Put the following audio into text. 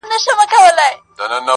میرو ملک سي بلوخاني سي -